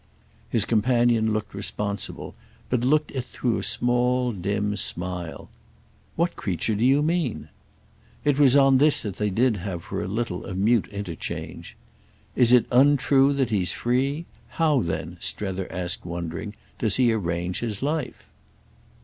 His companion looked responsible, but looked it through a small dim smile. "What creature do you mean?" It was on this that they did have for a little a mute interchange. "Is it untrue that he's free? How then," Strether asked wondering "does he arrange his life?"